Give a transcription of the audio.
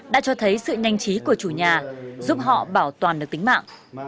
đã cho thấy sự nhanh trí của chủ nhà giúp họ bảo toàn được tính mạng